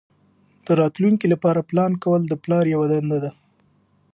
د راتلونکي لپاره پلان کول د پلار یوه دنده ده.